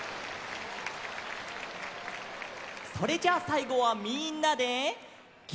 それじゃあさいごはみんなで「きんらきら」。